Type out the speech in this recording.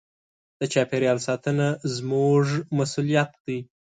د چاپېریال ساتنه زموږ مسوولیت دی.